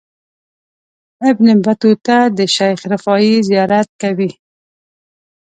ابن بطوطه د شیخ رفاعي زیارت کوي.